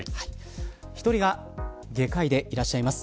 １人が外科医でいらっしゃいます。